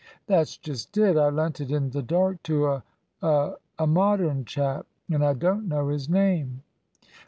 "That's just it. I lent it in the dark to a a Modern chap; and I don't know his name."